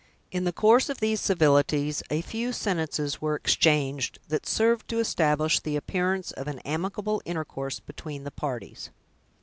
In the course of these civilities, a few sentences were exchanged, that served to establish the appearance of an amicable intercourse between the parties.